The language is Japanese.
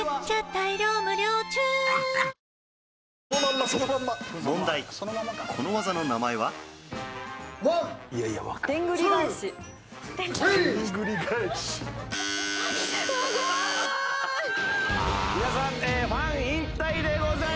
皆さんファン引退でございます。